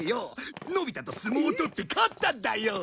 のび太と相撲を取って勝ったんだよ。